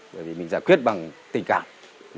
bởi vì mình giải quyết bằng tình cảm